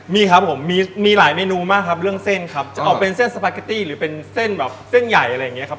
มีครับผมมีหลายเมนูมากครับเรื่องเส้นครับออกเป็นเส้นสปาเกตตี้หรือเป็นเส้นแบบเส้นใหญ่อะไรอย่างเงี้ครับ